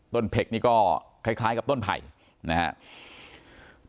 เผ็กนี่ก็คล้ายกับต้นไผ่นะครับ